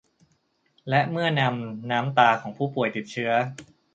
และเมื่อนำน้ำตาของผู้ป่วยติดเชื้อ